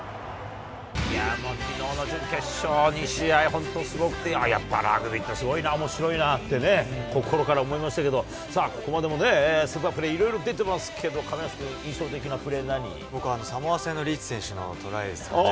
本当にすごくて、やっぱラグビーってすごいな、おもしろいなってね、心から思いましたけど、さあ、ここまでもね、スーパープレーいろいろ出てますけれども、亀梨君、印象的なプレ僕、サモア戦のリーチ選手のトライですかね。